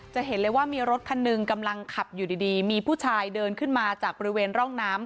จะเห็นเลยว่ามีรถคันหนึ่งกำลังขับอยู่ดีมีผู้ชายเดินขึ้นมาจากบริเวณร่องน้ำ